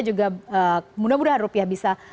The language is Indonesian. juga mudah mudahan rupiah bisa